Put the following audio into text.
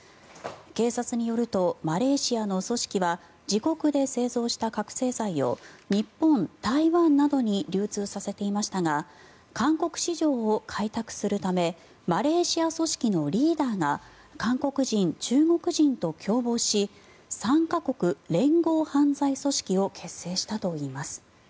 警察によるとマレーシアの組織は自国で製造した覚醒剤を日本、台湾などに流通させていましたが韓国市場を開拓するためマレーシア組織のリーダーが韓国人、中国人と共謀し３カ国連合犯罪組織を結成したといいます。